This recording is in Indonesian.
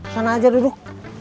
sana aja duduk